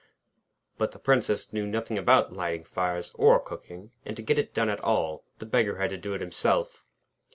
But the Princess knew nothing about lighting fires or cooking, and to get it done at all, the Beggar had to do it himself.